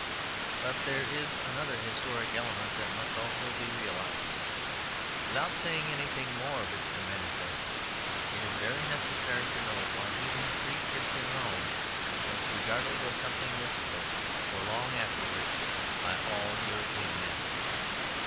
But there is another historic element that must also be realized. Without saying anything more of its tremendous essence, it is very necessary to note why even pre Christian Rome was regarded as something mystical for long afterwards by all European men.